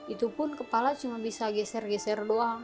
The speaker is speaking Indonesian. itu pun kepala cuma bisa geser geser doang